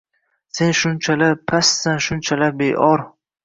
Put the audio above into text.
Sen shunchalar pastsan shunchalar beor